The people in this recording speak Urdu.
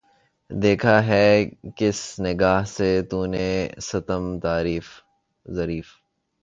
دیکھا ہے کس نگاہ سے تو نے ستم ظریف